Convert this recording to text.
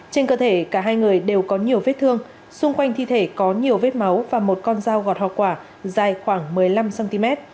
trên cơ thể cả hai người đều có nhiều vết thương xung quanh thi thể có nhiều vết máu và một con dao gọt hoa quả dài khoảng một mươi năm cm